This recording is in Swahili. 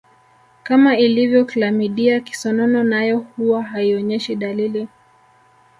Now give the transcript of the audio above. Kama ilivyo klamidia kisonono nayo huwa haionyeshi dalili